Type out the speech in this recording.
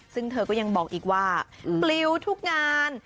ซึ่งเธอก็ยังบอกอีกว่าปลิวทุกงาน